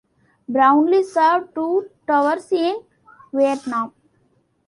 Brownlee served two tours in Vietnam.